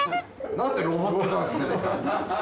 なんでロボットダンス出てきたの？